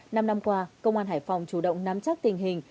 năm năm qua công an hải phòng chủ động nắm chắc tình hình